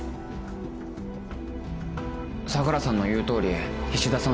相良さんの言う通り菱田さん